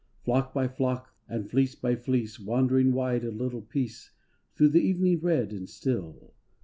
Flock by flock, and fleece by fleece, Wandering wide a little piece Thro' the evening red and still.